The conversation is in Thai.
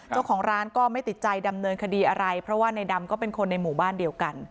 เจ้าของร้านก็ไม่ติดใจดำเนินคดีอะไรเพราะว่าในดำก็เป็นคนในหมู่บ้านเดียวกัน